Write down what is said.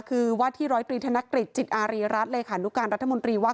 คือว่าที่ร้อยตรีธนกฤษจิตอารีรัฐเลขานุการรัฐมนตรีว่า